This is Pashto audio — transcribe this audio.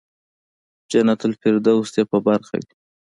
جنت الفردوس دې په برخه وي.